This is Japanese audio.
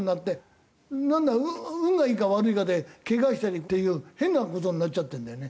運がいいか悪いかでけがしたりっていう変な事になっちゃってるんだよね。